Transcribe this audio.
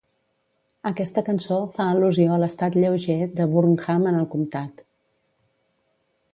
Aquesta cançó fa al·lusió a l'estat lleuger de Burnham en el comtat.